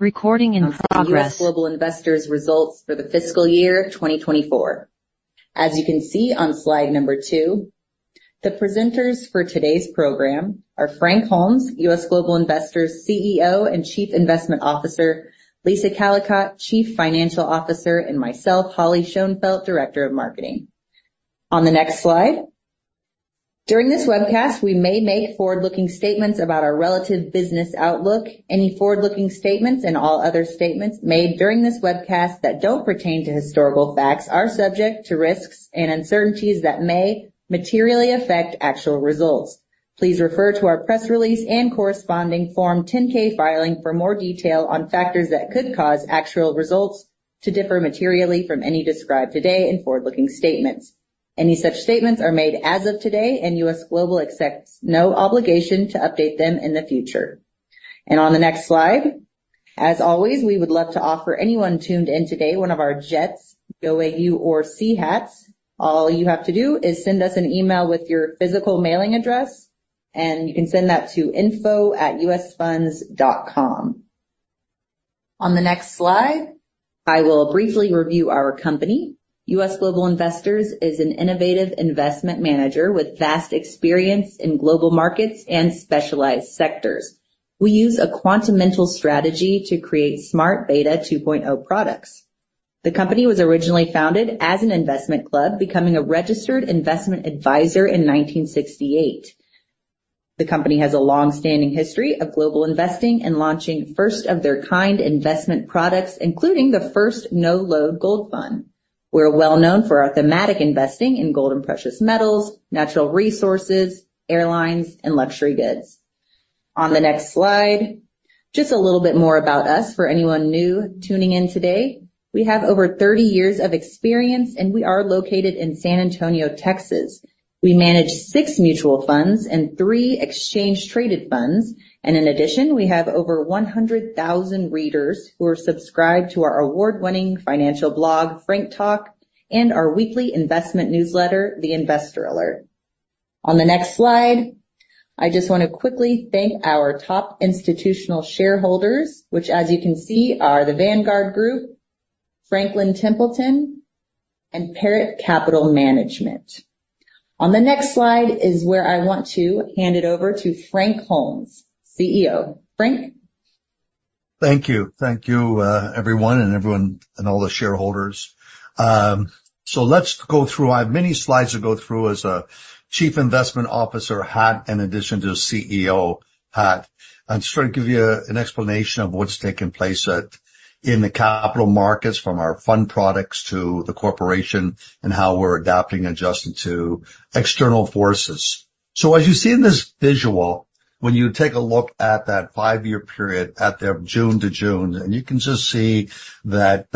U.S. Global Investors results for the fiscal year 2024. As you can see on slide number 2, the presenters for today's program are Frank Holmes, U.S. Global Investors CEO and Chief Investment Officer, Lisa Callicotte, Chief Financial Officer, and myself, Holly Schoenfeldt, Director of Marketing. On the next slide. During this webcast, we may make forward-looking statements about our relative business outlook. Any forward-looking statements and all other statements made during this webcast that don't pertain to historical facts are subject to risks and uncertainties that may materially affect actual results. Please refer to our press release and corresponding Form 10-K filing for more detail on factors that could cause actual results to differ materially from any described today in forward-looking statements. Any such statements are made as of today, and U.S. Global accepts no obligation to update them in the future. On the next slide, as always, we would love to offer anyone tuned in today one of our JETS, GOAU or SEA hats. All you have to do is send us an email with your physical mailing address, and you can send that to info@usfunds.com. On the next slide, I will briefly review our company. U.S. Global Investors is an innovative investment manager with vast experience in global markets and specialized sectors. We use a quantamental strategy to create smart beta 2.0 products. The company was originally founded as an investment club, becoming a registered investment advisor in 1968. The company has a long-standing history of global investing and launching first-of-their-kind investment products, including the first no-load gold fund. We're well-known for our thematic investing in gold and precious metals, natural resources, airlines, and luxury goods. On the next slide, just a little bit more about us for anyone new tuning in today. We have over 30 years of experience, and we are located in San Antonio, Texas. We manage six mutual funds and three exchange-traded funds, and in addition, we have over 100,000 readers who are subscribed to our award-winning financial blog, Frank Talk, and our weekly investment newsletter, The Investor Alert. On the next slide, I just want to quickly thank our top institutional shareholders, which, as you can see, are the Vanguard Group, Franklin Templeton, and Perritt Capital Management. On the next slide is where I want to hand it over to Frank Holmes, CEO. Frank? Thank you. Thank you, everyone and all the shareholders. So let's go through. I have many slides to go through as a Chief Investment Officer hat, in addition to a CEO hat, and sort of give you an explanation of what's taking place at, in the capital markets, from our fund products to the corporation, and how we're adapting and adjusting to external forces. As you see in this visual, when you take a look at that five-year period at the June to June, and you can just see that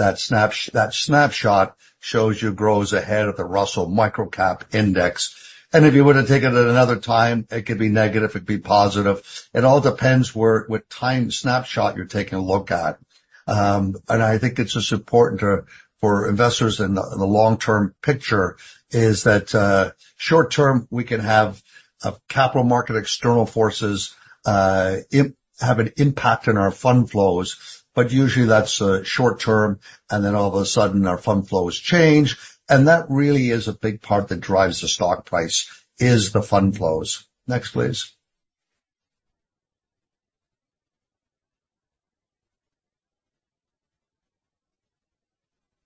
snapshot shows you GROW is ahead of the Russell Microcap Index. And if you were to take it at another time, it could be negative, it could be positive. It all depends where, what time snapshot you're taking a look at. And I think it's just important to, for investors in the, the long-term picture, is that short term, we can have a capital market, external forces, have an impact on our fund flows, but usually, that's short term, and then all of a sudden, our fund flows change. And that really is a big part that drives the stock price, is the fund flows. Next, please.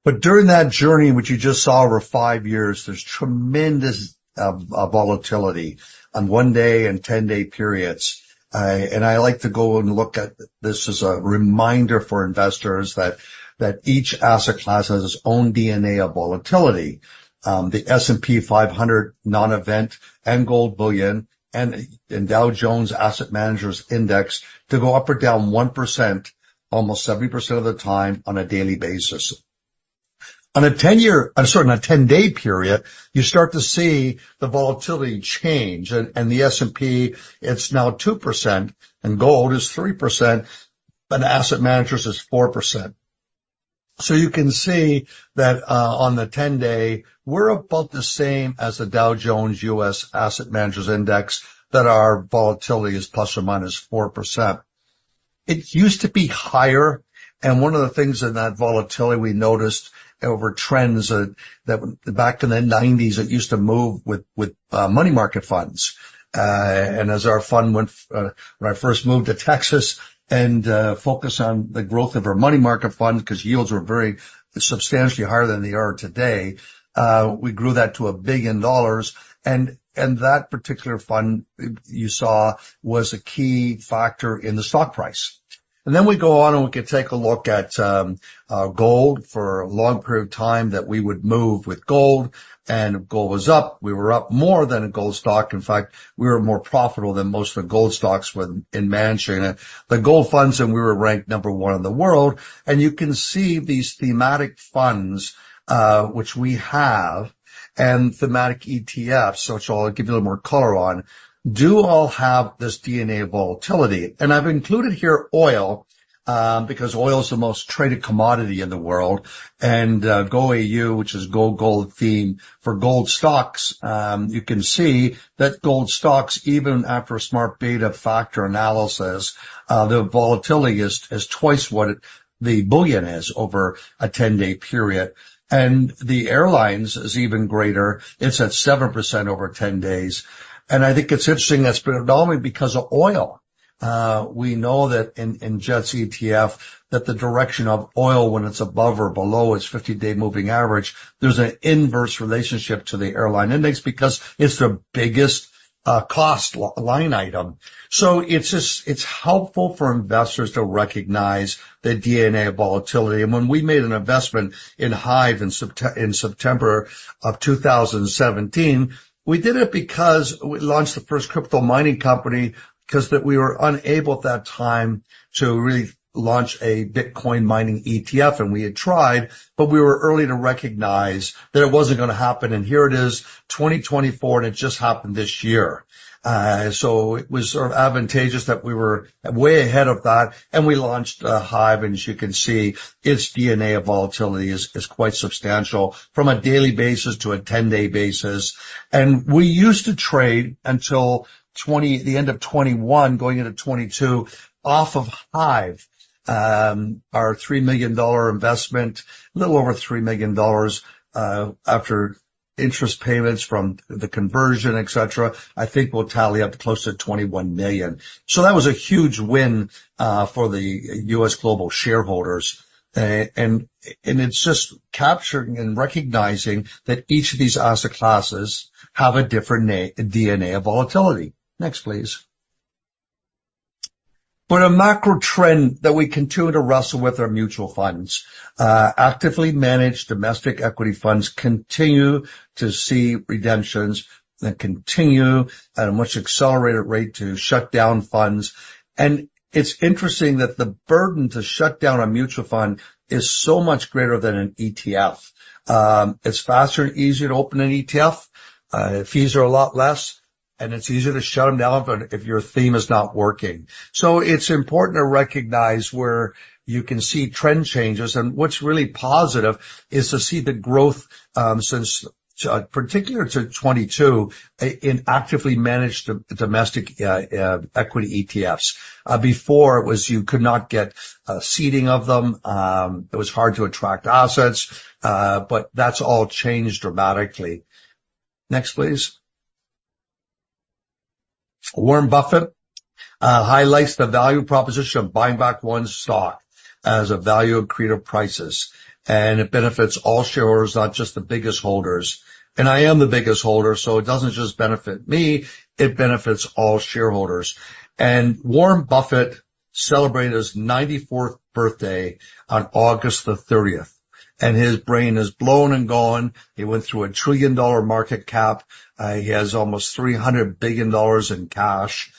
But during that journey, which you just saw over five years, there's tremendous volatility on one day and 10-day periods. And I like to go and look at this as a reminder for investors that, that each asset class has its own DNA of volatility. The S&P 500 non-event and gold bullion and Dow Jones Asset Managers Index to go up or down 1%, almost 70% of the time on a daily basis. On a 10-year, I am sorry, on a 10-day period, you start to see the volatility change. The S&P, it's now 2%, and gold is 3%, and asset managers is 4%. So you can see that, on the 10-day, we're about the same as the Dow Jones U.S. Asset Managers Index, that our volatility is ± 4%. It used to be higher, and one of the things in that volatility we noticed over trends, that back in the nineties, it used to move with money market funds. As our fund went, when I first moved to Texas and focused on the growth of our money market fund, 'cause yields were very substantially higher than they are today, we grew that to $1 billion, and that particular fund, you saw, was a key factor in the stock price. Then we go on, and we can take a look at gold for a long period of time, that we would move with gold, and gold was up. We were up more than a gold stock. In fact, we were more profitable than most of the gold stocks when in managing it. The gold funds, and we were ranked number one in the world, and you can see these thematic funds, which we have, and thematic ETFs, which I'll give you a little more color on, do all have this DNA volatility. I've included here oil because oil is the most traded commodity in the world. GOAU, which is GO GOLD theme for gold stocks. You can see that gold stocks, even after a smart beta factor analysis, the volatility is twice what the bullion is over a 10-day period. The airlines is even greater. It's at 7% over 10 days. I think it's interesting, that's been developing because of oil. We know that in JETS ETF, that the direction of oil when it's above or below its 50-day moving average, there's an inverse relationship to the airline index because it's their biggest cost line item. So it's just, it's helpful for investors to recognize the DNA of volatility. And when we made an investment in HIVE in September of two thousand and seventeen, we did it because we launched the first crypto mining company, 'cause that we were unable at that time to really launch a Bitcoin mining ETF. And we had tried, but we were early to recognize that it wasn't gonna happen, and here it is, 2024, and it just happened this year. So it was sort of advantageous that we were way ahead of that, and we launched HIVE, and as you can see, its DNA of volatility is quite substantial from a daily basis to a 10-day basis. And we used to trade until the end of 2021, going into 2022, off of HIVE. Our $3 million investment, a little over $3 million, after interest payments from the conversion, et cetera, I think will tally up to close to $21 million. So that was a huge win for the U.S. Global shareholders. And it's just capturing and recognizing that each of these asset classes have a different DNA of volatility. Next, please. For the macro trend that we continue to wrestle with are mutual funds. Actively managed domestic equity funds continue to see redemptions and continue at a much accelerated rate to shut down funds, and it's interesting that the burden to shut down a mutual fund is so much greater than an ETF. It's faster and easier to open an ETF, fees are a lot less, and it's easier to shut them down if your theme is not working, so it's important to recognize where you can see trend changes, and what's really positive is to see the growth since in particular to 2022 in actively managed domestic equity ETFs. Before it was, you could not get a seeding of them, it was hard to attract assets, but that's all changed dramatically. Next, please. Warren Buffett highlights the value proposition of buying back one's stock as a value accretive prices, and it benefits all shareholders, not just the biggest holders. And I am the biggest holder, so it doesn't just benefit me, it benefits all shareholders. And Warren Buffett celebrated his 94th birthday on August 30, and his brain is blown and gone. He went through a $1 trillion market cap. He has almost $300 billion in cash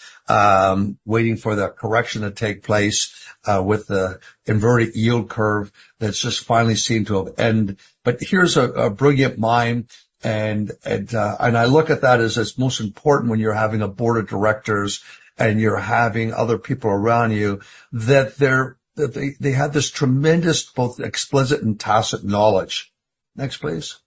waiting for the correction to take place with the inverted yield curve that's just finally seemed to have end. But here's a brilliant mind, and I look at that as it's most important when you're having a Board of Directors and you're having other people around you, that they have this tremendous, both explicit and tacit knowledge. Next, please.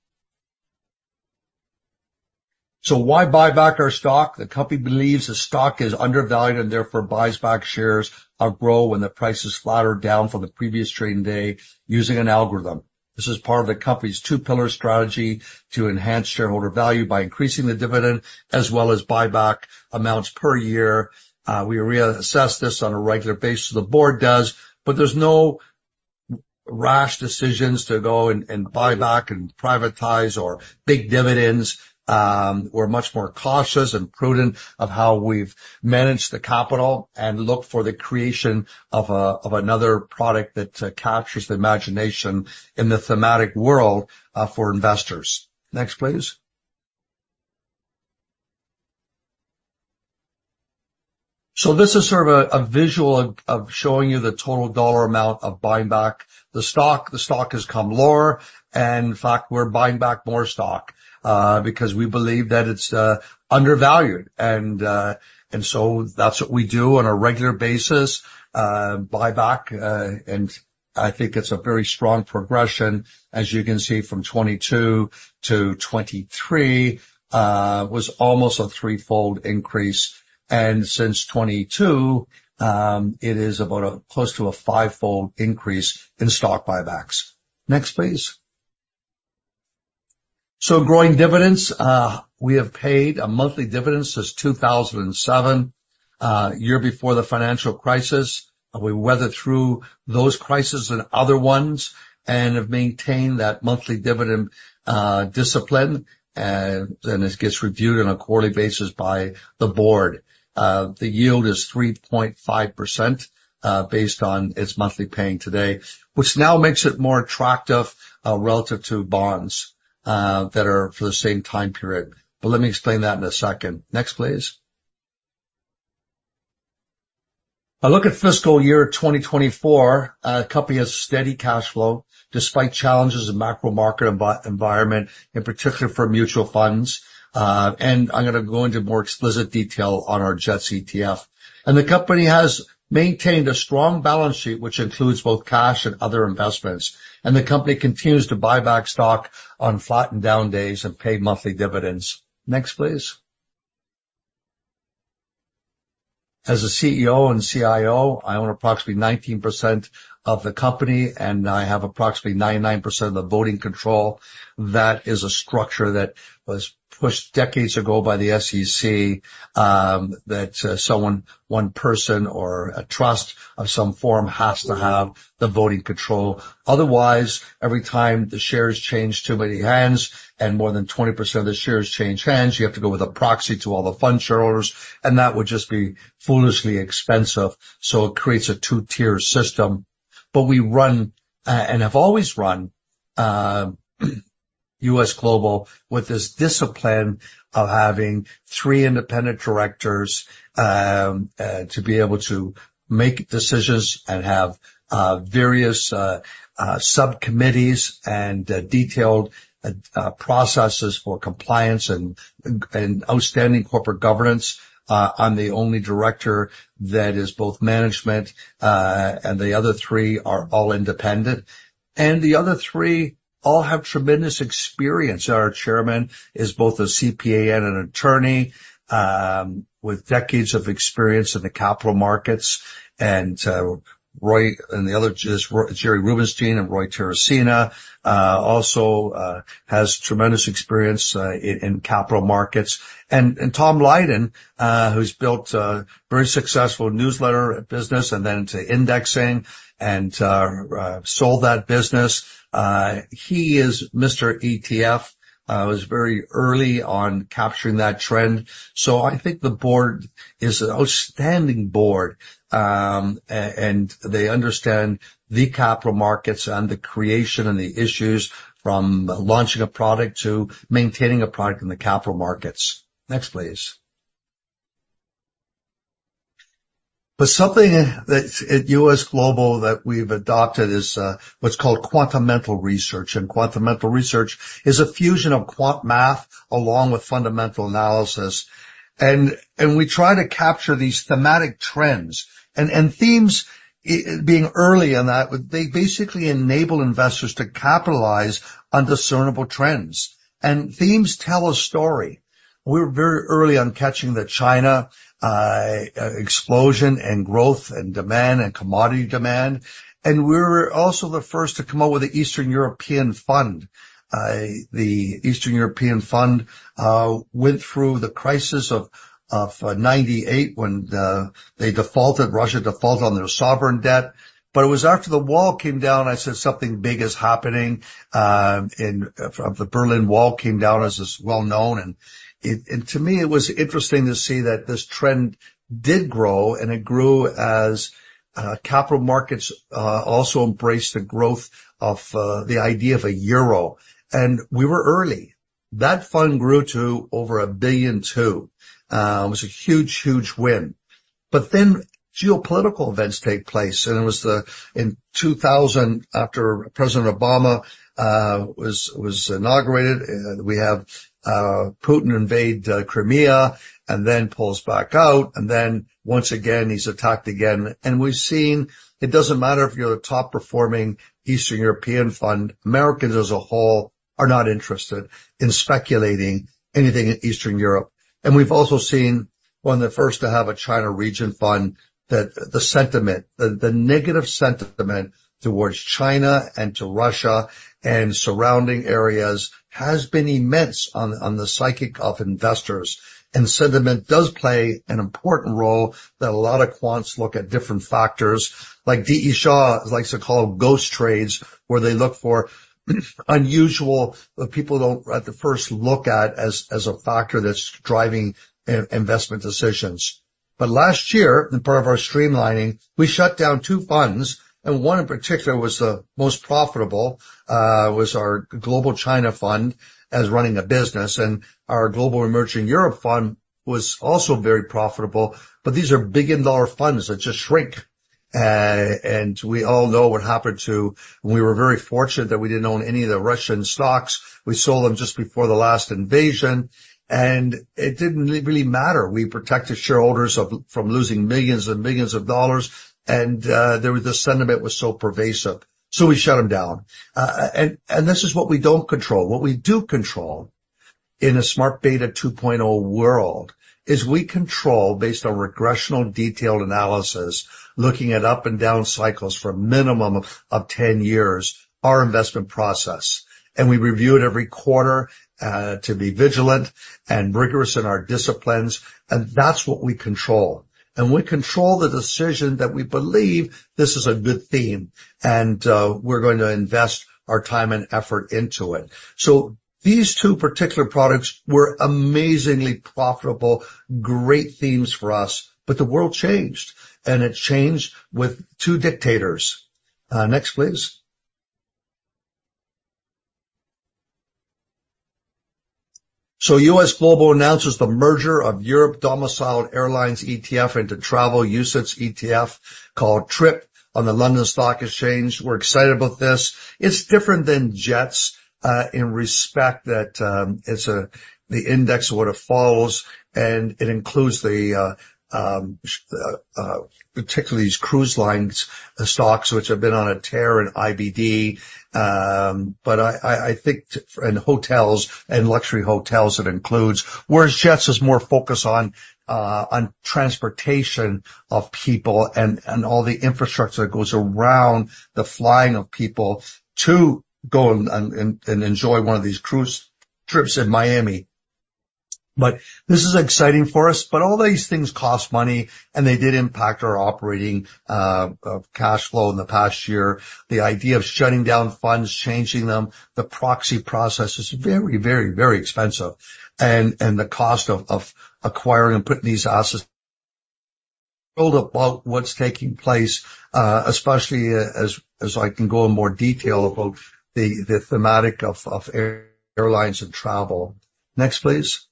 So why buy back our stock? The company believes the stock is undervalued and therefore buys back shares of GROW when the price is flat or down from the previous trading day using an algorithm. This is part of the company's two-pillar strategy to enhance shareholder value by increasing the dividend as well as buyback amounts per year. We reassess this on a regular basis, so the Board does, but there's no rash decisions to go and buy back and privatize or big dividends. We're much more cautious and prudent of how we've managed the capital and look for the creation of another product that captures the imagination in the thematic world for investors. Next, please. So this is sort of a visual of showing you the total dollar amount of buying back the stock. The stock has come lower, and in fact, we're buying back more stock because we believe that it's undervalued. And so that's what we do on a regular basis, buyback, and I think it's a very strong progression. As you can see, from 2022 to 2023 was almost a threefold increase, and since 2022 it is about close to a fivefold increase in stock buybacks. Next, please. So, growing dividends, we have paid a monthly dividend since two thousand and seven, year before the financial crisis. We weathered through those crises and other ones and have maintained that monthly dividend discipline, and this gets reviewed on a quarterly basis by the Board. The yield is 3.5%, based on its monthly paying today, which now makes it more attractive relative to bonds that are for the same time period. But let me explain that in a second. Next, please. A look at fiscal year 2024. The company has steady cash flow despite challenges in the macro market environment, in particular for mutual funds, and I'm gonna go into more explicit detail on our JETS ETF, and the company has maintained a strong balance sheet, which includes both cash and other investments, and the company continues to buy back stock on flat and down days and pay monthly dividends. Next, please. As a CEO and CIO, I own approximately 19% of the company, and I have approximately 99% of the voting control. That is a structure that was pushed decades ago by the SEC, that someone, one person or a trust of some form has to have the voting control. Otherwise, every time the shares change too many hands, and more than 20% of the shares change hands, you have to go with a proxy to all the fund shareholders, and that would just be foolishly expensive. So it creates a two-tier system. But we run and have always run U.S. Global with this discipline of having three independent directors to be able to make decisions and have various subcommittees and detailed processes for compliance and outstanding corporate governance. I'm the only director that is both management, and the other three are all independent, and the other three all have tremendous experience. Our chairman is both a CPA and an attorney, with decades of experience in the capital markets, and Roy and the other Jerry Rubinstein and Roy Terracina also has tremendous experience in capital markets. Tom Lydon, who's built a very successful newsletter business and then into indexing and sold that business. He is Mr. ETF, was very early on capturing that trend. So I think the Board is an outstanding Board, and they understand the capital markets and the creation and the issues, from launching a product to maintaining a product in the capital markets. Next, please. But something that at U.S. Global that we've adopted is what's called quantamental research, and quantamental research is a fusion of quant math, along with fundamental analysis. We try to capture these thematic trends and themes in being early on that they basically enable investors to capitalize on discernible trends. Themes tell a story. We were very early on catching the China explosion and growth and demand and commodity demand, and we were also the first to come out with an Eastern European Fund. The Eastern European Fund went through the crisis of 1998, when they defaulted. Russia defaulted on their sovereign debt. It was after the wall came down. I said something big is happening. The Berlin Wall came down, as is well known, and to me, it was interesting to see that this trend did grow, and it grew as capital markets also embraced the growth of the idea of a euro. We were early. That fund grew to over $1.2 billion. It was a huge, huge win. But then geopolitical events take place, and it was in 2000, after President Obama was inaugurated, we have Putin invade Crimea and then pulls back out, and then once again, he's attacked again. We've seen it doesn't matter if you're a top-performing Eastern European Fund, Americans as a whole are not interested in speculating anything in Eastern Europe. We've also seen, one of the first to have a China region fund, that the sentiment, the negative sentiment towards China and to Russia and surrounding areas, has been immense on the psyche of investors. Sentiment does play an important role that a lot of quants look at different factors, like D.E. Shaw likes to call ghost trades, where they look for unusual, people don't at the first look at as a factor that's driving investment decisions. But last year, in part of our streamlining, we shut down two funds, and one in particular was the most profitable was our Global China Fund as running a business, and our Global Emerging Europe Fund was also very profitable. But these are big in dollar funds that just shrink. And we all know what happened to. We were very fortunate that we didn't own any of the Russian stocks. We sold them just before the last invasion, and it didn't really matter. We protected shareholders from losing millions and millions of dollars, and the sentiment was so pervasive, so we shut them down. And this is what we don't control. What we do control in a smart beta 2.0 world is we control, based on regressional detailed analysis, looking at up and down cycles for a minimum of 10 years, our investment process, and we review it every quarter, to be vigilant and rigorous in our disciplines, and that's what we control, and we control the decision that we believe this is a good theme, and, we're going to invest our time and effort into it, so these two particular products were amazingly profitable, great themes for us, but the world changed, and it changed with two dictators. Next, please, so U.S. Global announces the merger of Europe Domiciled Airlines ETF into Travel UCITS ETF, called TRIP, on the London Stock Exchange. We're excited about this. It's different than JETS, in respect that, it's the index, what it follows, and it includes particularly these cruise lines, the stocks which have been on a Tear in IBD, but I think and hotels and luxury hotels, it includes, whereas JETS is more focused on transportation of people and all the infrastructure that goes around the flying of people to go and enjoy one of these cruise trips in Miami, but this is exciting for us, but all these things cost money, and they did impact our operating cash flow in the past year. The idea of shutting down funds, changing them, the proxy process is very, very, very expensive. The cost of acquiring and putting these assets about what's taking place, especially as I can go in more detail about the thematic of airlines and travel. Next, please.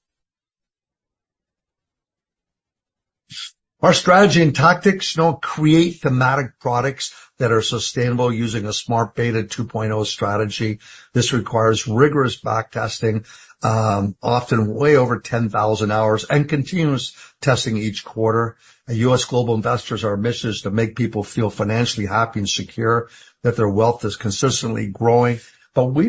Our strategy and tactics, you know, create thematic products that are sustainable using a smart beta 2.0 strategy. This requires rigorous backtesting, often way over 10,000 hours, and continuous testing each quarter. At U.S. Global Investors, our mission is to make people feel financially happy and secure, that their wealth is consistently growing. But we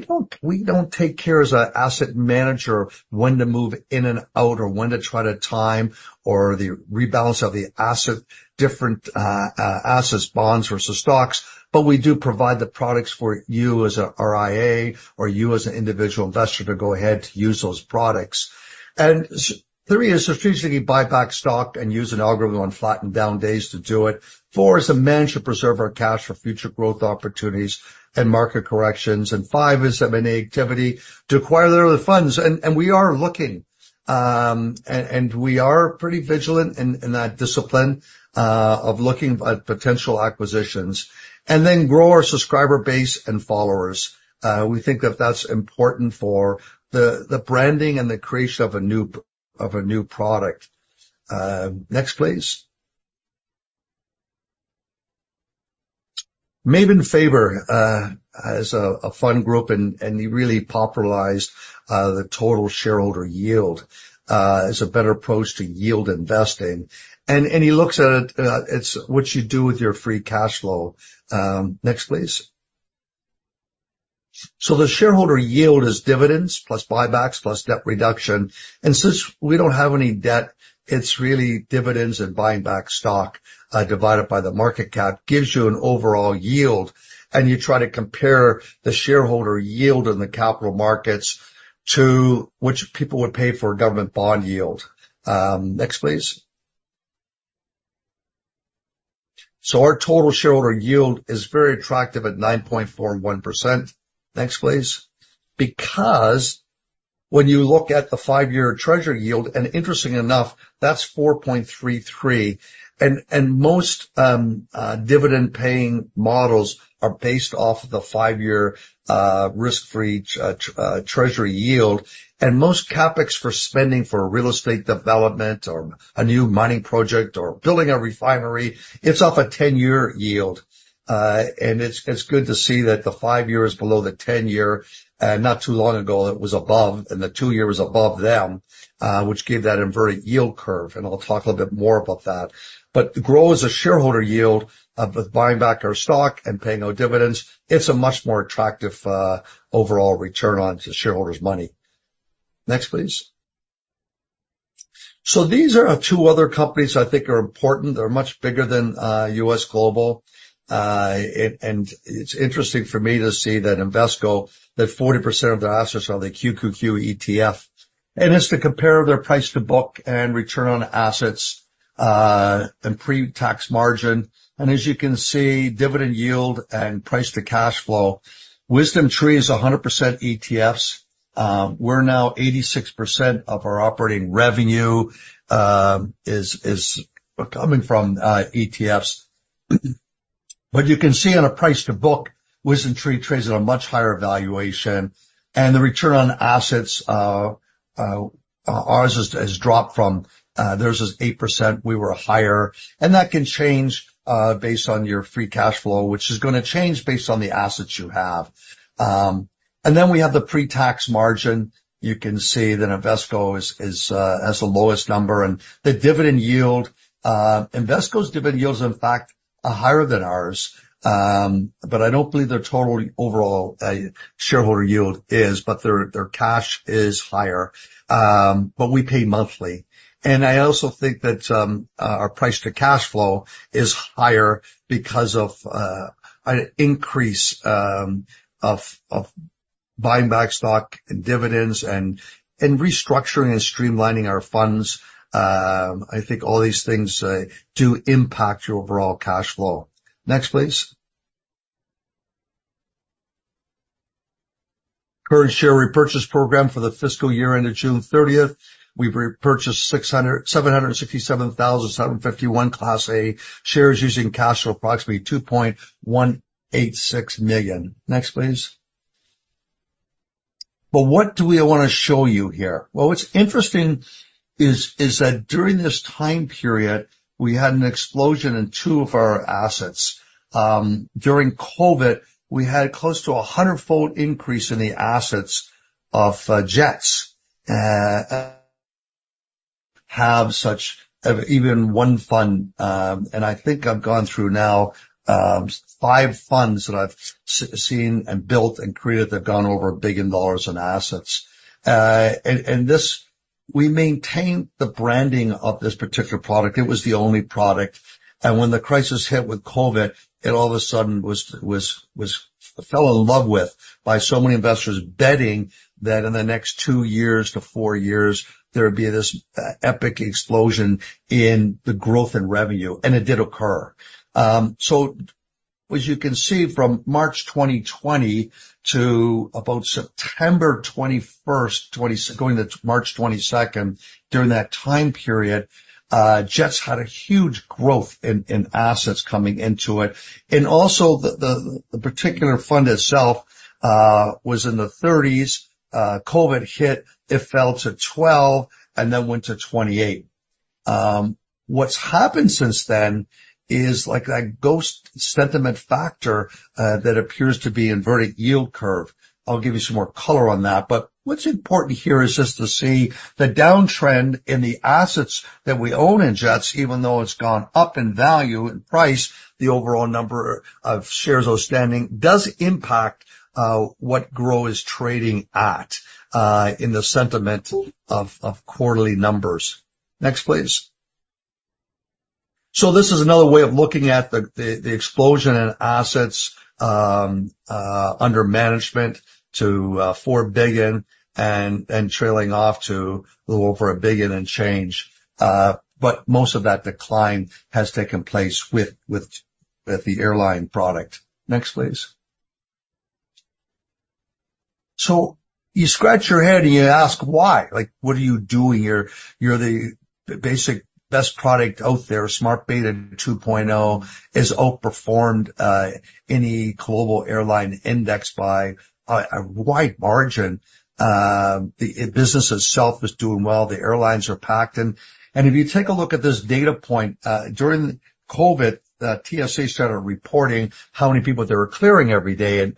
don't take care as an asset manager when to move in and out or when to try to time or the rebalance of the asset, different assets, bonds versus stocks. We do provide the products for you as a RIA or you as an individual investor, to go ahead to use those products. Three is strategically buy back stock and use an algorithm on flattened down days to do it. Four is to manage and preserve our cash for future growth opportunities and market corrections. Five is M&A activity to acquire other funds. We are looking, and we are pretty vigilant in that discipline of looking at potential acquisitions. Then grow our subscriber base and followers. We think that that's important for the branding and the creation of a new product. Next, please. Mebane Faber has a fund group, and he really popularized the shareholder yield as a better approach to yield investing. He looks at it. It's what you do with your free cash flow. Next, please. The shareholder yield is dividends plus buybacks plus debt reduction. Since we don't have any debt, it's really dividends and buying back stock divided by the market cap, gives you an overall yield, and you try to compare the shareholder yield in the capital markets to what people would pay for a government bond yield. Next, please. Our total shareholder yield is very attractive at 9.41%. Next, please. Because when you look at the five-year treasury yield, and interestingly enough, that's 4.33%, and most dividend-paying models are based off the five-year risk-free Treasury yield. And most CapEx for spending for real estate development or a new mining project or building a refinery, it's off a 10-year yield. And it's good to see that the five-year is below the 10-year. Not too long ago, it was above, and the two-year was above them, which gave that inverted yield curve, and I'll talk a little bit more about that. But to grow as a shareholder yield, with buying back our stock and paying no dividends, it's a much more attractive overall return on the shareholders' money. Next, please. So these are two other companies I think are important. They're much bigger than U.S. Global. And it's interesting for me to see that Invesco, that 40% of their assets are the QQQ ETF. It's to compare their price to book and return on assets, and pre-tax margin. As you can see, dividend yield and price to cash flow. WisdomTree is 100% ETFs. We're now 86% of our operating revenue is coming from ETFs. You can see on a price to book, WisdomTree trades at a much higher valuation, and the return on assets, ours has dropped from, theirs is 8%. We were higher, and that can change based on your free cash flow, which is gonna change based on the assets you have. Then we have the pre-tax margin. You can see that Invesco has the lowest number. The dividend yield, Invesco's dividend yield is, in fact, higher than ours. But I don't believe their total overall shareholder yield is, but their cash is higher. But we pay monthly. And I also think that our price to cash flow is higher because of an increase of buying back stock and dividends and restructuring and streamlining our funds. I think all these things do impact your overall cash flow. Next, please. Current share repurchase program for the fiscal year ended June thirtieth, we've repurchased 767,751 Class A shares using cash of approximately $2.186 million. Next, please. But what do we want to show you here? Well, what's interesting is that during this time period, we had an explosion in two of our assets. During COVID, we had close to a 100-fold increase in the assets of JETS. Have such even one fund, and I think I've gone through now five funds that I've seen and built and created, that have gone over $1 billion dollars in assets. We maintained the branding of this particular product. It was the only product, and when the crisis hit with COVID, it all of a sudden was fell in love with by so many investors, betting that in the next two years to four years, there would be this epic explosion in the growth in revenue, and it did occur. As you can see, from March 2020 to about September 21, 2020, going to March 22, 2022, during that time period, JETS had a huge growth in assets coming into it. And also, the particular fund itself was in the 30s. COVID hit, it fell to 12 and then went to 28. What's happened since then is like that ghost sentiment factor that appears to be inverted yield curve. I'll give you some more color on that, but what's important here is just to see the downtrend in the assets that we own in JETS, even though it's gone up in value and price, the overall number of shares outstanding does impact what GROW is trading at in the sentiment of quarterly numbers. Next, please. So this is another way of looking at the explosion in assets under management to $4 billion and trailing off to a little over $1 billion and change. But most of that decline has taken place with the airline product. Next, please. So you scratch your head, and you ask, why? Like, what are you doing here? You're the basic best product out there. Smart beta 2.0 has outperformed any global airline index by a wide margin. The business itself is doing well. The airlines are packed, and if you take a look at this data point, during COVID, the TSA started reporting how many people they were clearing every day.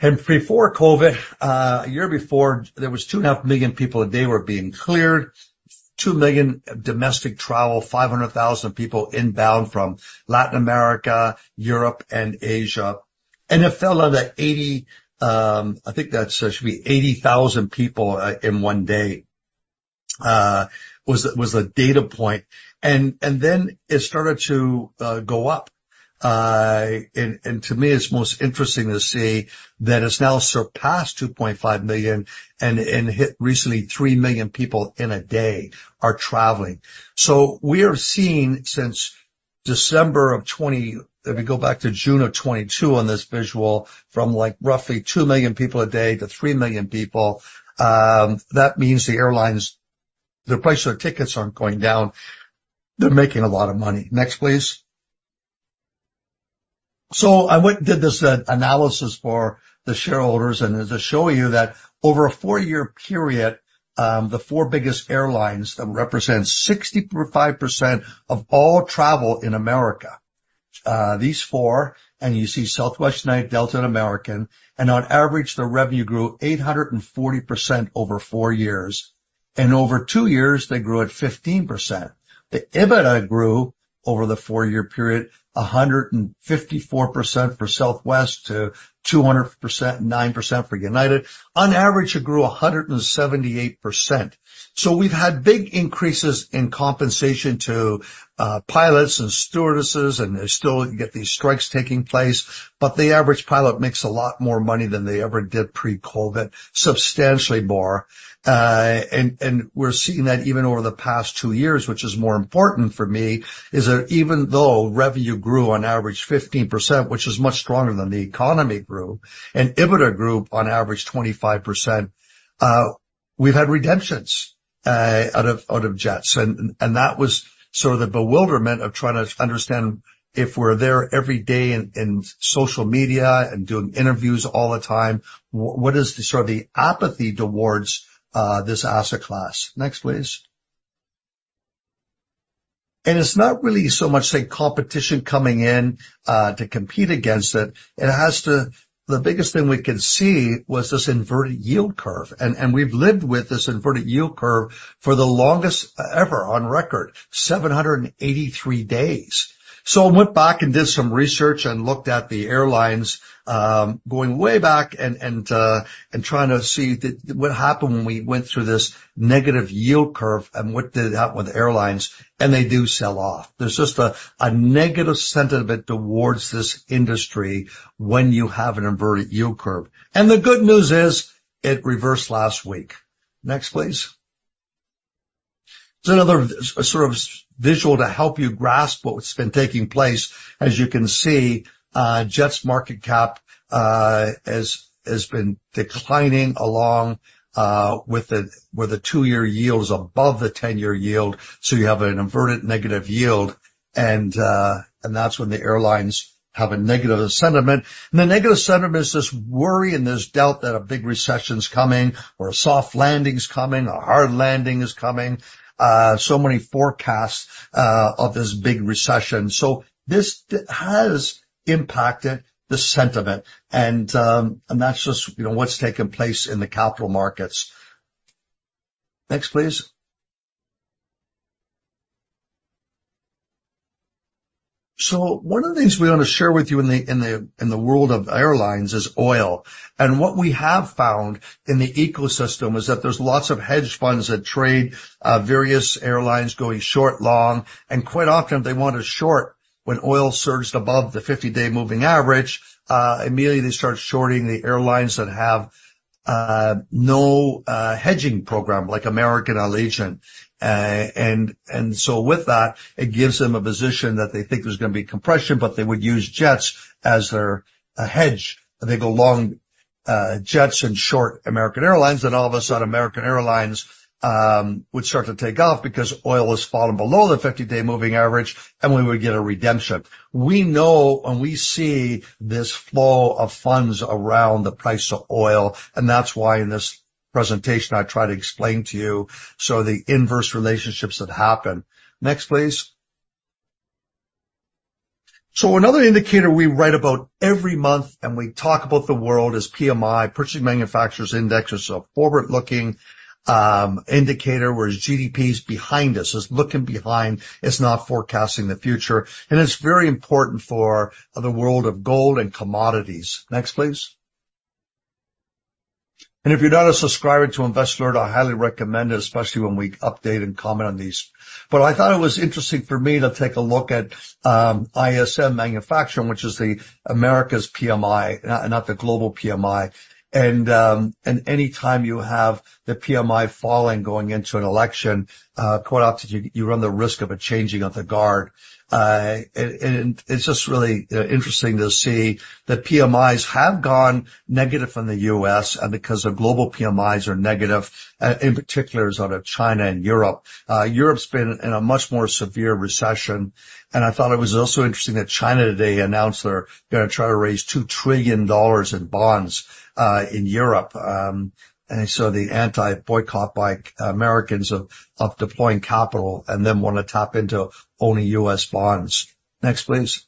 Before COVID, a year before, there was 2.5 million people a day were being cleared, 2 million domestic travel, 500,000 people inbound from Latin America, Europe, and Asia. It fell under eighty. I think that should be 80,000 people in one day was the data point. Then it started to go up. To me, it's most interesting to see that it's now surpassed 2.5 million and hit recently 3 million people in a day are traveling. So we are seeing since December of twenty, if we go back to June of 2022 on this visual, from like roughly 2 million people a day to 3 million people, that means the airlines, the price of their tickets aren't going down. They're making a lot of money. Next, please. So I went and did this analysis for the shareholders, and it's showing you that over a four-year period, the four biggest airlines that represent 65% of all travel in America, these four, and you see Southwest, United, Delta, and American, and on average, their revenue grew 840% over four years. And over two years, they grew at 15%. The EBITDA grew over the four-year period, 154% for Southwest to 209% for United. On average, it grew 178%. So we've had big increases in compensation to pilots and stewardesses, and they still get these strikes taking place, but the average pilot makes a lot more money than they ever did pre-COVID, substantially more. We're seeing that even over the past two years, which is more important for me, is that even though revenue grew on average 15%, which is much stronger than the economy grew, and EBITDA grew on average 25%, we've had redemptions out of JETS. That was sort of the bewilderment of trying to understand if we're there every day in social media and doing interviews all the time, what is the sort of apathy towards this asset class? Next, please. It's not really so much, say, competition coming in to compete against it. The biggest thing we can see was this inverted yield curve, and we've lived with this inverted yield curve for the longest ever on record, 783 days. I went back and did some research and looked at the airlines, going way back and trying to see what happened when we went through this negative yield curve and what did happen with the airlines, and they do sell off. There's just a negative sentiment towards this industry when you have an inverted yield curve. The good news is, it reversed last week. Next, please. It's another sort of visual to help you grasp what's been taking place. As you can see, JETS market cap has been declining along with the two-year yields above the 10-year yield, so you have an inverted negative yield, and that's when the airlines have a negative sentiment. The negative sentiment is this worry and this doubt that a big recession's coming or a soft landing is coming, a hard landing is coming. So many forecasts of this big recession. So this has impacted the sentiment, and that's just, you know, what's taken place in the capital markets. Next, please. So one of the things we want to share with you in the world of airlines is oil. And what we have found in the ecosystem is that there's lots of hedge funds that trade various airlines going short, long, and quite often, they want to short when oil surges above the 50-day moving average, immediately they start shorting the airlines that have no hedging program like American Allegiant. And so with that, it gives them a position that they think there's gonna be compression, but they would use JETS as their hedge, and they go long JETS and short American Airlines. Then all of a sudden, American Airlines would start to take off because oil has fallen below the 50-day moving average, and we would get a redemption. We know and we see this flow of funds around the price of oil, and that's why in this presentation, I try to explain to you some of the inverse relationships that happen. Next, please. Another indicator we write about every month, and we talk about the world, is PMI, Purchasing Managers' Index. It's a forward-looking indicator, whereas GDP is behind us. It's looking behind; it's not forecasting the future, and it's very important for the world of gold and commodities. Next, please. If you're not a subscriber to Investor Alert, I highly recommend it, especially when we update and comment on these. I thought it was interesting for me to take a look at ISM Manufacturing, which is America's PMI, not the global PMI. Any time you have the PMI falling, going into an election, quite often, you run the risk of a changing of the guard. It's just really interesting to see that PMIs have gone negative in the U.S. and because the global PMIs are negative, in particular out of China and Europe. Europe's been in a much more severe recession, and I thought it was also interesting that China today announced they're gonna try to raise $2 trillion in bonds in Europe. and so the anti-boycott by Americans of deploying capital and then wanna tap into only U.S. bonds. Next, please.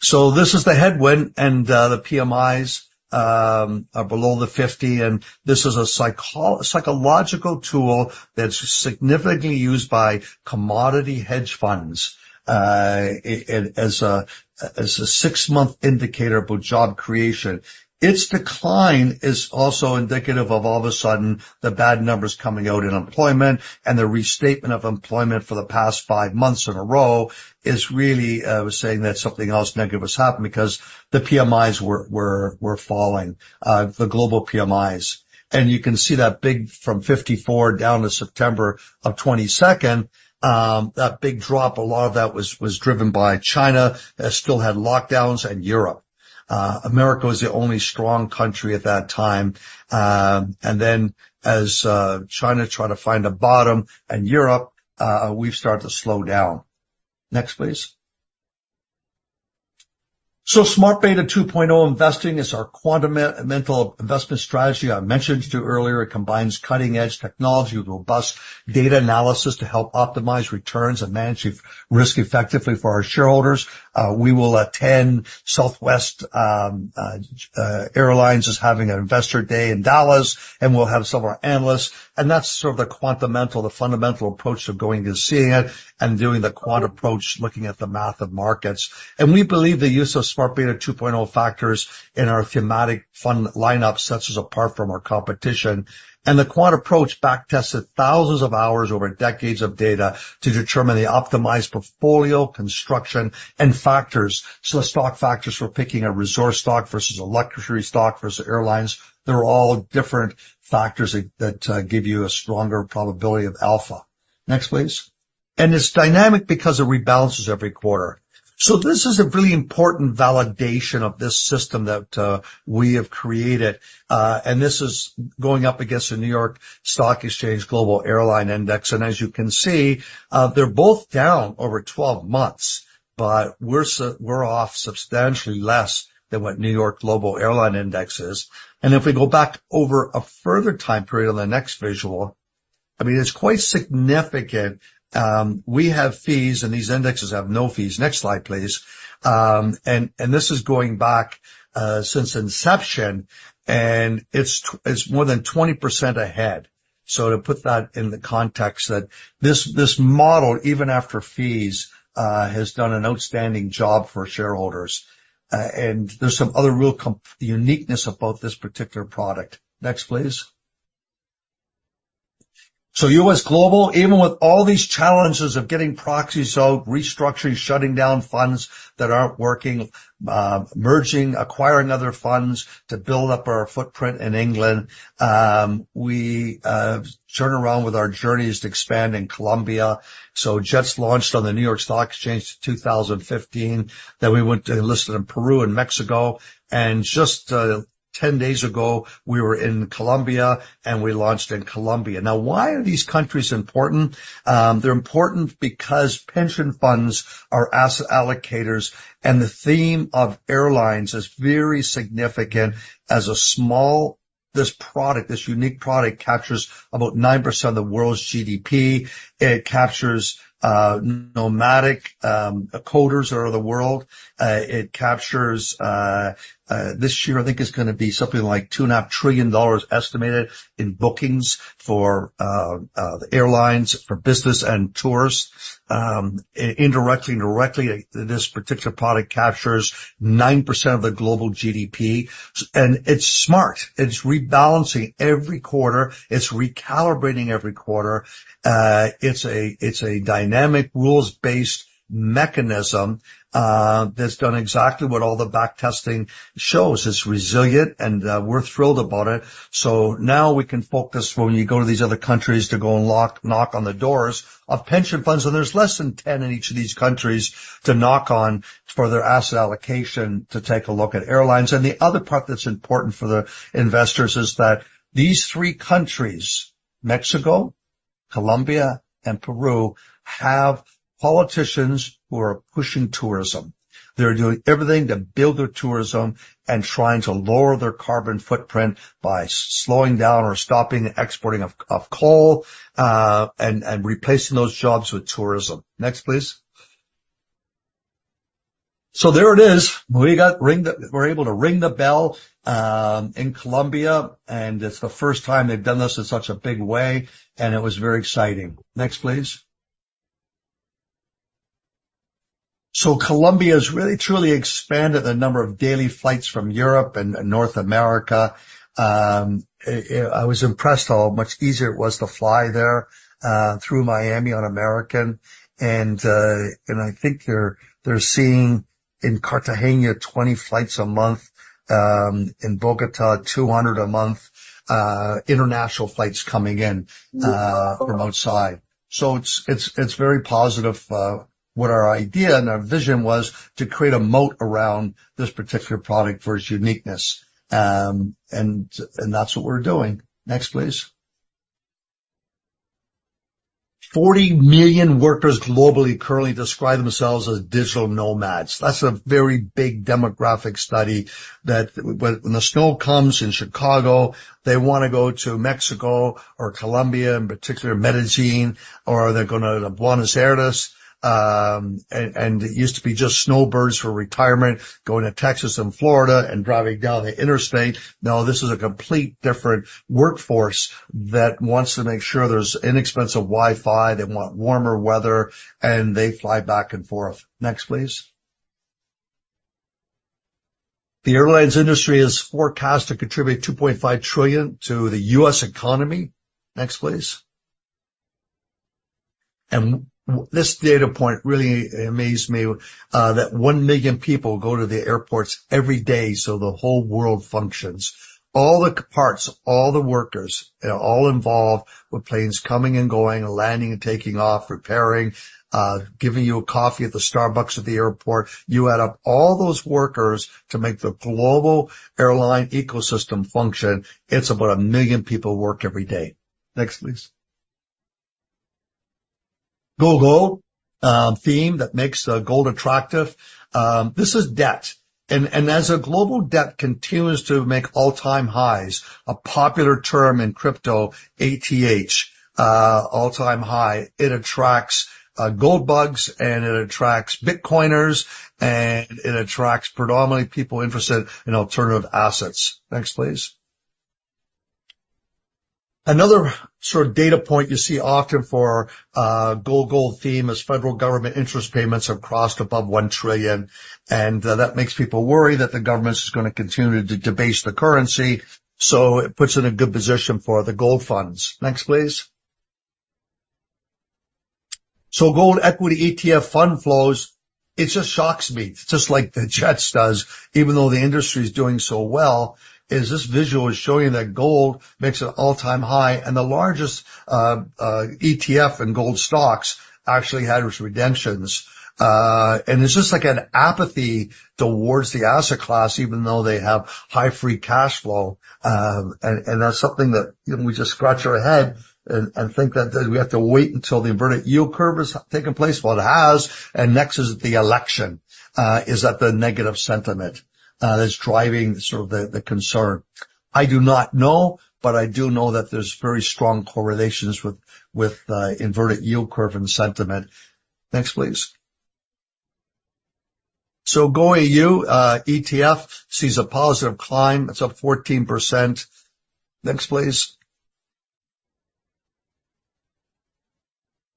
So this is the headwind, and the PMIs are below the 50, and this is a psychological tool that's significantly used by commodity hedge funds as a six-month indicator about job creation. Its decline is also indicative of all of a sudden the bad numbers coming out in employment and the restatement of employment for the past five months in a row is really saying that something else negative has happened because the PMIs were falling, the global PMIs. And you can see that big from 54 down to September of 2022, that big drop, a lot of that was driven by China that still had lockdowns, and Europe. America was the only strong country at that time, and then, as China tried to find a bottom in Europe, we've started to slow down. Next, please. Smart beta 2.0 investing is our quantamental investment strategy. I mentioned to you earlier, it combines cutting-edge technology with robust data analysis to help optimize returns and manage risk effectively for our shareholders. We will attend. Southwest Airlines is having an investor day in Dallas, and we'll have some of our analysts. That's sort of the quantamental, the fundamental approach of going and seeing it and doing the quant approach, looking at the math of markets. We believe the use of smart beta 2.0 factors in our thematic fund lineup sets us apart from our competition. The quant approach backtested thousands of hours over decades of data to determine the optimized portfolio, construction, and factors. The stock factors for picking a resource stock versus electricity stock versus airlines, they're all different factors that give you a stronger probability of alpha. Next, please. It's dynamic because it rebalances every quarter. This is a really important validation of this system that we have created. This is going up against the New York Stock Exchange Global Airline Index. As you can see, they're both down over 12 months, but we're off substantially less than what New York Stock Exchange Global Airline Index is. If we go back over a further time period on the next visual, I mean, it's quite significant. We have fees, and these indexes have no fees. Next slide, please. This is going back since inception, and it's more than 20% ahead. To put that in the context, this model, even after fees, has done an outstanding job for shareholders. There's some other real uniqueness about this particular product. Next, please. U.S. Global, even with all these challenges of getting proxies out, restructuring, shutting down funds that aren't working, merging, acquiring other funds to build up our footprint in England, we turn around with our JETS to expand in Colombia. JETS launched on the New York Stock Exchange in 2015. Then we went to list it in Peru and Mexico, and just 10 days ago, we were in Colombia, and we launched in Colombia. Now, why are these countries important? They're important because pension funds are asset allocators, and the theme of airlines is very significant. This product, this unique product, captures about 9% of the world's GDP. It captures nomadic coders around the world. It captures this year, I think it's gonna be something like $2.5 trillion estimated in bookings for the airlines, for business and tourists. Indirectly and directly, this particular product captures 9% of the global GDP. It's smart. It's rebalancing every quarter. It's recalibrating every quarter. It's a dynamic, rules-based mechanism that's done exactly what all the backtesting shows. It's resilient, and we're thrilled about it. So now we can focus, when we go to these other countries, to go and knock on the doors of pension funds, and there's less than 10 in each of these countries to knock on for their asset allocation to take a look at airlines. And the other part that's important for the investors is that these three countries, Mexico, Colombia, and Peru, have politicians who are pushing tourism. They're doing everything to build their tourism and trying to lower their carbon footprint by slowing down or stopping the exporting of coal and replacing those jobs with tourism. Next, please. So there it is. We got to ring the bell in Colombia, and it's the first time they've done this in such a big way, and it was very exciting. Next, please. Colombia has really, truly expanded the number of daily flights from Europe and North America. I was impressed how much easier it was to fly there through Miami on American, and I think they're seeing in Cartagena 20 flights a month, in Bogotá 200 a month, international flights coming in from outside. It's very positive what our idea and our vision was to create a moat around this particular product for its uniqueness. And that's what we're doing. Next, please. 40 million workers globally currently describe themselves as digital nomads. That's a very big demographic study that when the snow comes in Chicago, they wanna go to Mexico or Colombia, in particular Medellín, or they're going to Buenos Aires. It used to be just snowbirds for retirement, going to Texas and Florida and driving down the interstate. Now, this is a complete different workforce that wants to make sure there's inexpensive Wi-Fi, they want warmer weather, and they fly back and forth. Next, please. The airlines industry is forecast to contribute $2.5 trillion to the U.S. economy. Next, please. This data point really amazed me, that one million people go to the airports every day, so the whole world functions. All the parts, all the workers, all involved with planes coming and going and landing and taking off, repairing, giving you a coffee at the Starbucks at the airport, you add up all those workers to make the global airline ecosystem function, it's about a million people work every day. Next, please. GO GOLD theme that makes gold attractive. This is debt, and as global debt continues to make all-time highs, a popular term in crypto, ATH, all-time high, it attracts gold bugs, and it attracts Bitcoiners, and it attracts predominantly people interested in alternative assets. Next, please. Another sort of data point you see often for a GO GOLD theme is federal government interest payments have crossed above $1 trillion, and that makes people worry that the government is gonna continue to debase the currency, so it puts in a good position for the gold funds. Next, please. Gold equity ETF fund flows, it just shocks me, just like the JETS does, even though the industry is doing so well. This visual is showing that gold makes an all-time high, and the largest ETF in gold stocks actually had its redemptions. And it's just like an apathy towards the asset class, even though they have high free cash flow. And that's something that, you know, we just scratch our head and think that we have to wait until the inverted yield curve has taken place. Well, it has, and next is the election. Is that the negative sentiment that's driving sort of the concern? I do not know, but I do know that there's very strong correlations with the inverted yield curve and sentiment. Next, please. So GOAU ETF sees a positive climb. It's up 14%. Next, please.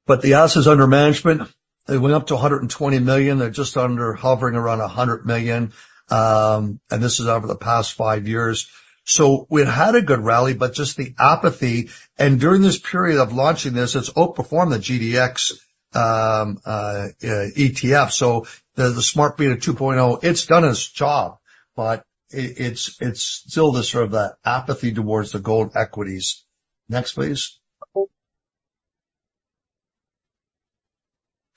But the assets under management, they went up to $120 million. They're just under, hovering around $100 million, and this is over the past five years. So we've had a good rally, but just the apathy. And during this period of launching this, it's outperformed the GDX ETF. So the smart beta 2.0, it's done its job, but it's still the sort of the apathy towards the gold equities. Next, please.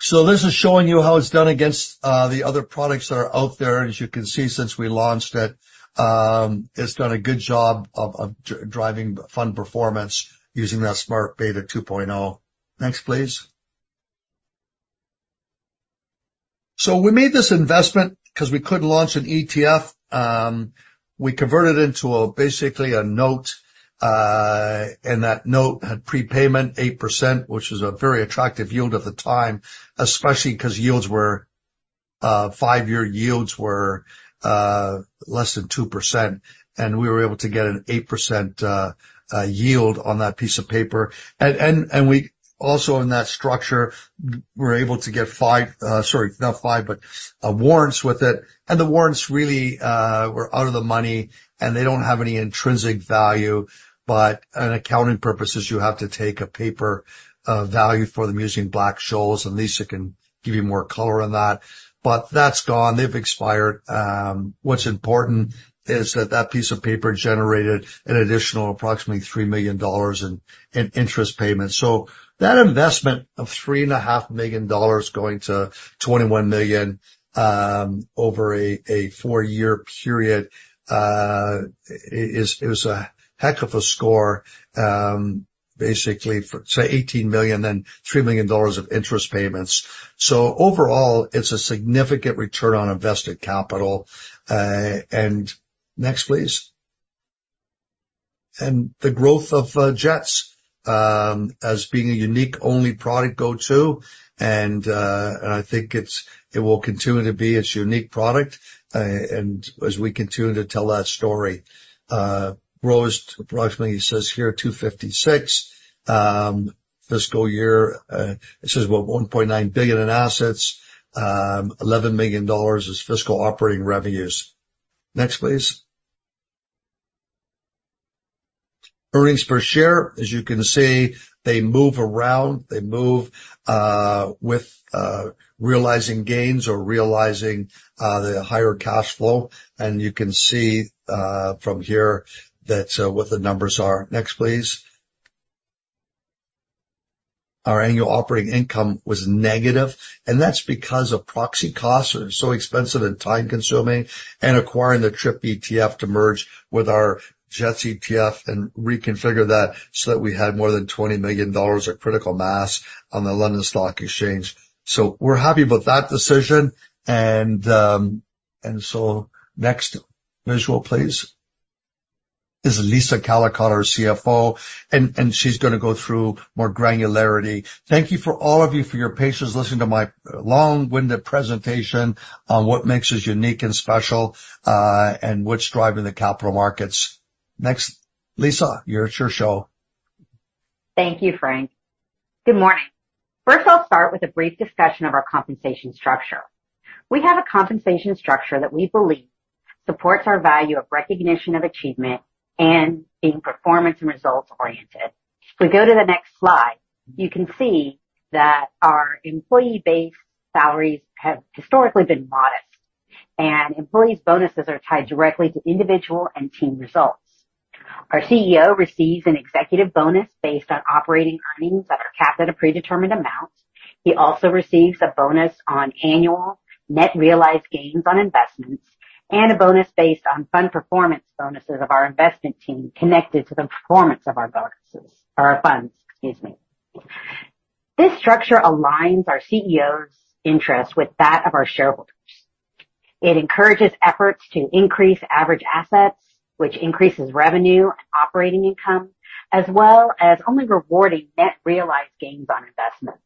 So this is showing you how it's done against the other products that are out there. As you can see, since we launched it, it's done a good job of driving fund performance using that smart beta 2.0. Next, please. So we made this investment because we couldn't launch an ETF. We converted it into basically a note, and that note had prepayment 8%, which was a very attractive yield at the time, especially because five-year yields were less than 2%, and we were able to get an 8% yield on that piece of paper. And we also, in that structure, were able to get warrants with it. And the warrants really were out of the money, and they don't have any intrinsic value, but on accounting purposes, you have to take a paper value for them using Black-Scholes, and Lisa can give you more color on that. But that's gone. They've expired. What's important is that that piece of paper generated an additional approximately $3 million in interest payments. So that investment of $3.5 million going to $21 million over a four-year period it was a heck of a score basically for say $18 million and $3 million of interest payments. So overall, it's a significant return on invested capital. Next, please. The growth of JETS as being a unique only product go-to and I think it will continue to be its unique product and as we continue to tell that story. Rose to approximately, it says here, 256. Fiscal year it says about $1.9 billion in assets. $11 million is fiscal operating revenues. Next, please. Earnings per share. As you can see, they move around, they move with realizing gains or realizing the higher cash flow. And you can see from here that what the numbers are. Next, please. Our annual operating income was negative, and that's because of proxy costs are so expensive and time-consuming, and acquiring the TRIP ETF to merge with our JETS ETF and reconfigure that so that we had more than $20 million of critical mass on the London Stock Exchange. So we're happy about that decision, and so next visual, please. Is Lisa Callicotte, our CFO, and she's going to go through more granularity. Thank you for all of you for your patience listening to my long-winded presentation on what makes us unique and special and what's driving the capital markets. Next. Lisa, you're it's your show. Thank you, Frank. Good morning. First, I'll start with a brief discussion of our compensation structure. We have a compensation structure that we believe supports our value of recognition of achievement and being performance and results-oriented. If we go to the next slide, you can see that our employee base salaries have historically been modest, and employees' bonuses are tied directly to individual and team results. Our CEO receives an executive bonus based on operating earnings that are capped at a predetermined amount. He also receives a bonus on annual net realized gains on investments and a bonus based on fund performance bonuses of our investment team, connected to the performance of our bonuses or our funds, excuse me. This structure aligns our CEO's interests with that of our shareholders. It encourages efforts to increase average assets, which increases revenue and operating income, as well as only rewarding net realized gains on investments.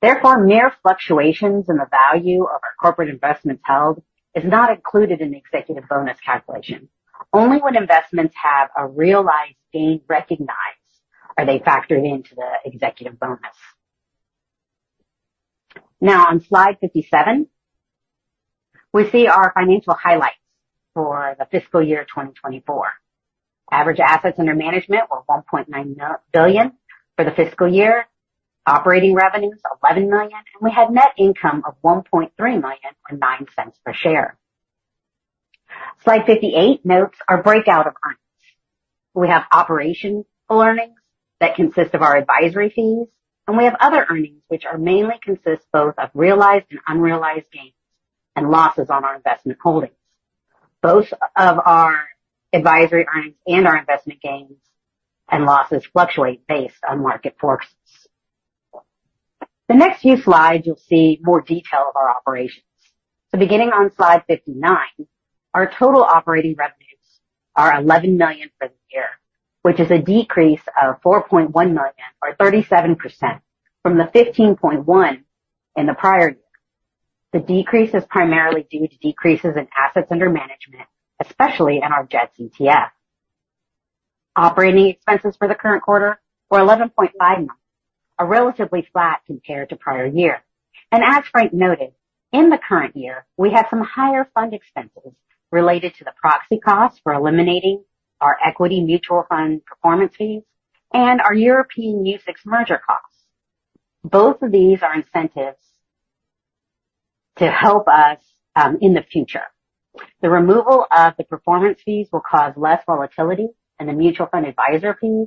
Therefore, mere fluctuations in the value of our corporate investments held is not included in the executive bonus calculation. Only when investments have a realized gain recognized, are they factored into the executive bonus. Now, on slide 57, we see our financial highlights for the fiscal year 2024. Average assets under management were $1.9 billion for the fiscal year, operating revenues $11 million, and we had net income of $1.3 million or $0.09 per share. Slide 58 notes our breakout of earnings. We have operational earnings that consist of our advisory fees, and we have other earnings which are mainly consist both of realized and unrealized gains and losses on our investment holdings. Both of our advisory earnings and our investment gains and losses fluctuate based on market forces. The next few slides, you'll see more detail of our operations. Beginning on slide 59, our total operating revenues are $11 million for the year, which is a decrease of $4.1 million, or 37%, from the $15.1 million in the prior year. The decrease is primarily due to decreases in assets under management, especially in our JETS ETF. Operating expenses for the current quarter were $11.5 million, are relatively flat compared to prior year. And as Frank noted, in the current year, we had some higher fund expenses related to the proxy costs for eliminating our equity mutual fund performance fees and our European UCITS merger costs. Both of these are incentives to help us in the future. The removal of the performance fees will cause less volatility in the mutual fund advisor fees,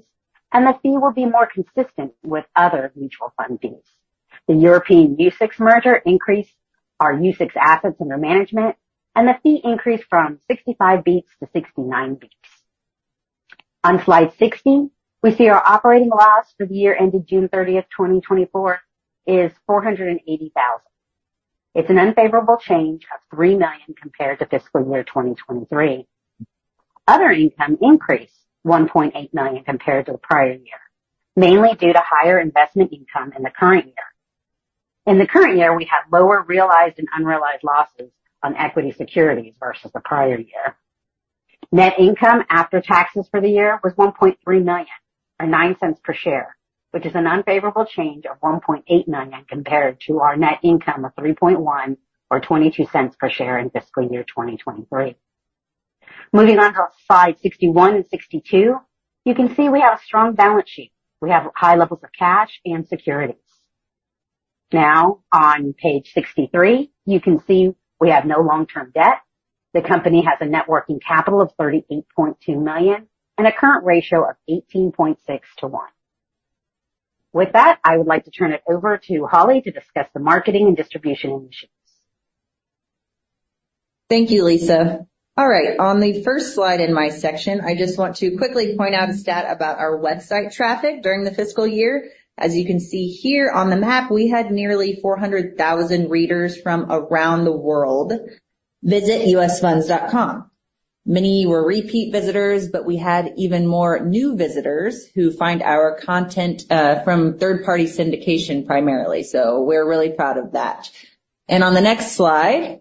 and the fee will be more consistent with other mutual fund fees. The European UCITS merger increased our UCITS assets under management, and the fee increased from 65 basis points to 69 basis points. On slide 60, we see our operating loss for the year ended June thirtieth, 2024, is $480,000. It's an unfavorable change of $3 million compared to fiscal year 2023. Other income increased $1.8 million compared to the prior year, mainly due to higher investment income in the current year. In the current year, we had lower realized and unrealized losses on equity securities versus the prior year. Net income after taxes for the year was $1.3 million, or $0.09 per share, which is an unfavorable change of $1.8 million compared to our net income of $3.1 million or $0.22 per share in fiscal year 2023. Moving on to slide 61 and 62, you can see we have a strong balance sheet. We have high levels of cash and securities. Now, on page 63, you can see we have no long-term debt. The company has a net working capital of $38.2 million and a current ratio of 18.6 to 1. With that, I would like to turn it over to Holly to discuss the marketing and distribution initiatives. Thank you, Lisa. All right, on the first slide in my section, I just want to quickly point out a stat about our website traffic during the fiscal year. As you can see here on the map, we had nearly 400,000 readers from around the world visit usfunds.com. Many were repeat visitors, but we had even more new visitors who find our content from third-party syndication, primarily. So we're really proud of that. And on the next slide,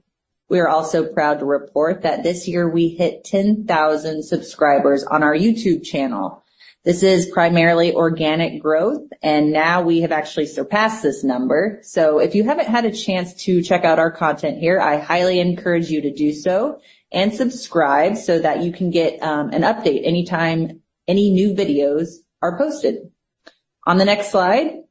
we are also proud to report that this year we hit 10,000 subscribers on our YouTube channel. This is primarily organic growth, and now we have actually surpassed this number. So if you haven't had a chance to check out our content here, I highly encourage you to do so and subscribe so that you can get an update anytime any new videos are posted. On the next slide,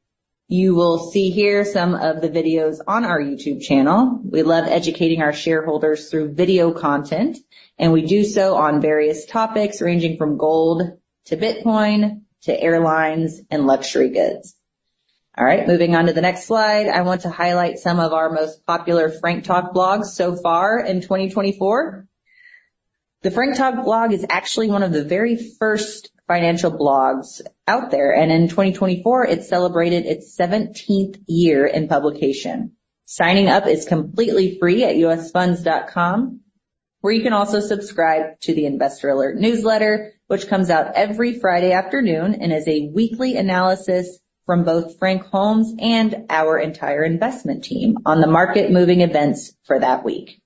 you will see here some of the videos on our YouTube channel. We love educating our shareholders through video content, and we do so on various topics, ranging from gold, to Bitcoin, to airlines, and luxury goods. All right, moving on to the next slide. I want to highlight some of our most popular Frank Talk blogs so far in 2024. The Frank Talk blog is actually one of the very first financial blogs out there, and in 2024, it celebrated its seventeenth year in publication. Signing up is completely free at usfunds.com, where you can also subscribe to the Investor Alert newsletter, which comes out every Friday afternoon and is a weekly analysis from both Frank Holmes and our entire investment team on the market-moving events for that week.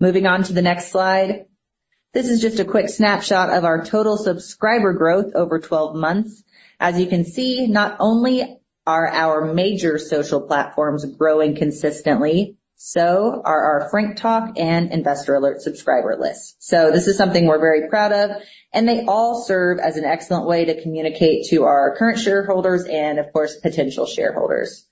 Moving on to the next slide. This is just a quick snapshot of our total subscriber growth over twelve months. As you can see, not only are our major social platforms growing consistently, so are our Frank Talk and Investor Alert subscriber lists. So this is something we're very proud of, and they all serve as an excellent way to communicate to our current shareholders and, of course, potential shareholders.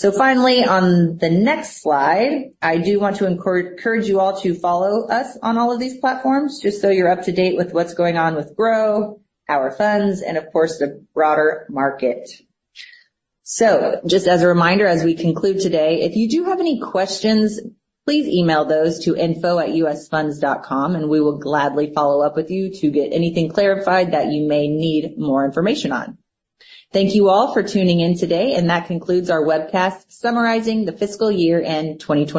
So finally, on the next slide, I do want to encourage you all to follow us on all of these platforms, just so you're up to date with what's going on with Grow, our funds, and, of course, the broader market. So just as a reminder, as we conclude today, if you do have any questions, please email those to info@usfunds.com, and we will gladly follow up with you to get anything clarified that you may need more information on. Thank you all for tuning in today, and that concludes our webcast summarizing the fiscal year in 2024.